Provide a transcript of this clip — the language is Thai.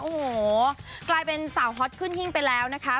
โอ้โหกลายเป็นสาวฮอตขึ้นหิ้งไปแล้วนะคะ